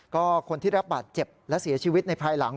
ก็คนที่รับบาดเจ็บและเสียชีวิตในภายหลัง